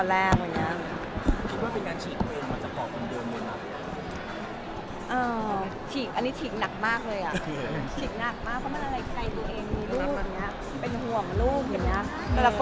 เลยนี้ขอพักแยป